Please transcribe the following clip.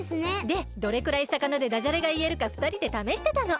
でどれくらいさかなでダジャレがいえるかふたりでためしてたの。